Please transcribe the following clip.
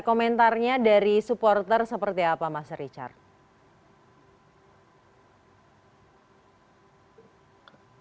komentarnya dari supporter seperti apa mas richard